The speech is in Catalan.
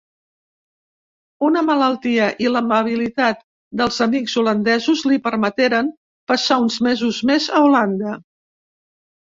Una malaltia i l'amabilitat dels amics holandesos li permeteren passar uns mesos més a Holanda.